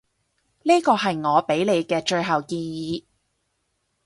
呢個係我畀你嘅最後建議